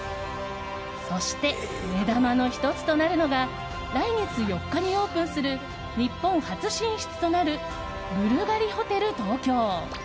そして、目玉の１つとなるのが来月４日にオープンする日本初進出となるブルガリホテル東京。